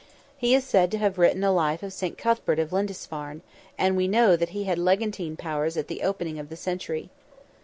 He is said to have written a life of Saint Cuthbert of Lindisfarne, and we know that he had legantine powers at the opening of the century.